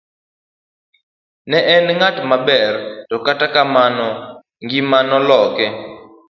Ne en ng'at maber to kata kamano ngima noloke.